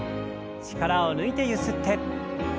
力を抜いてゆすって。